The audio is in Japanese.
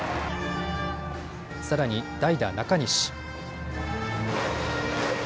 さらに代打、中西。